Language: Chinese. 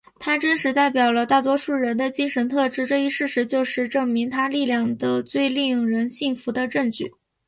他真实代表了大多数人的精神特质这一事实就是证明他力量的最为令人信服的证据。